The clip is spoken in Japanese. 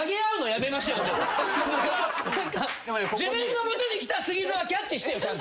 自分の元に来たＳＵＧＩＺＯはキャッチしてよちゃんと。